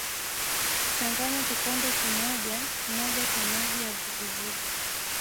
Changanya kikombe kimoja moja cha maji ya uvuguvugu